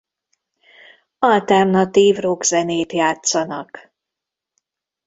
Alternatív rockzenét játszanak.